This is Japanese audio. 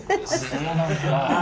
そうなんですか。